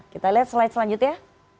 kita lihat slide selanjutnya